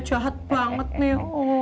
jahat banget nih